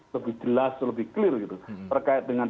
lebih jelas lebih clear gitu perkaitan